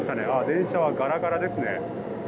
電車はガラガラですね。